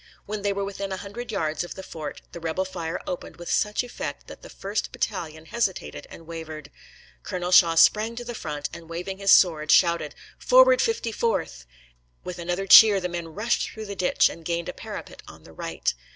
When they were within a hundred yards of the fort, the rebel fire opened with such effect that the first battalion hesitated and wavered. Colonel Shaw sprang to the front, and waving his sword, shouted: "Forward, 54th!" With another cheer, the men rushed through the ditch, and gained a parapet on the right.